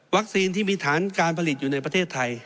ที่มีฐานการผลิตอยู่ในประเทศไทย